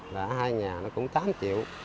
cái nhà nó cũng tám triệu